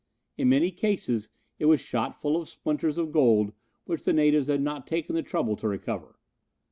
In many cases it was shot full of splinters of gold which the natives had not taken the trouble to recover.